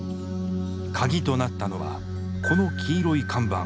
カギとなったのはこの黄色い看板。